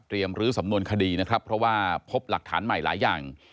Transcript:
รื้อสำนวนคดีนะครับเพราะว่าพบหลักฐานใหม่หลายอย่าง